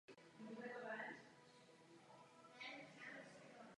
Již od časného mládí projevoval císař velkou zbožnost a zajímal se o teologické otázky.